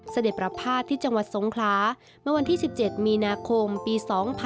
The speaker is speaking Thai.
เสด็จประพาทที่จังหวัดสงคลาเมื่อวันที่๑๗มีนาคมปี๒๕๖๒